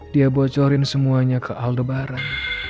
dia bocorin semuanya ke aldebaran